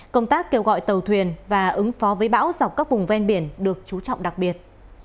công tác kêu gọi tàu thuyền và ứng phó với bão dọc các vùng ven biển được chú trọng đặc biệt